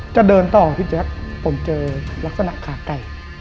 จะเดินต่อพี่แจ๊คผมเจอลักษณะขาไก่